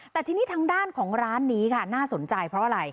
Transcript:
แต่ทีนี้ทางด้านของร้านนี้ค่ะน่าสนใจเพราะอะไร